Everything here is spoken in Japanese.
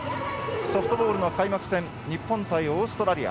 ソフトボールの開幕戦日本対オーストラリア。